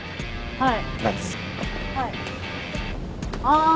はい。